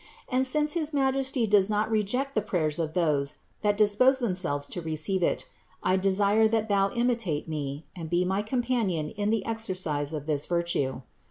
And since his Majesty does not reject the prayers of those, that dispose themselves to receive it, I desire that thou imitate me and be my companion in the exercise of this virtue.